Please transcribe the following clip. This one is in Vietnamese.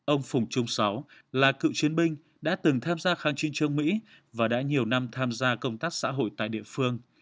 ông phùng trung sáu là cựu chiến binh đã từng tham gia kháng chiến trương mỹ và đã nhiều năm tham gia công tác xã hội tại địa phương